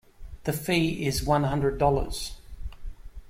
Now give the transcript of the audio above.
The fee is one hundred dollars.